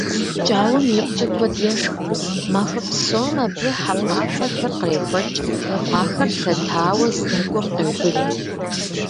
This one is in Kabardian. ПкӀауэм икъукӀэ куэд ешх, махуэ псом абы хьэпӀацӀэхэр кърехуэкӀ, ахэр лъэтауэ здэкӀуэм къеубыд.